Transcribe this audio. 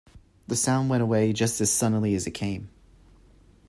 The sound went away just as suddenly as it came.